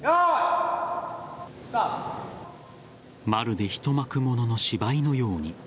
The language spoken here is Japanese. まるで一幕物の芝居のように。